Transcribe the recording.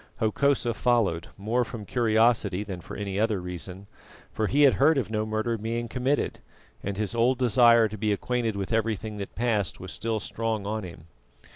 Hokosa followed, more from curiosity than for any other reason, for he had heard of no murder being committed, and his old desire to be acquainted with everything that passed was still strong on him.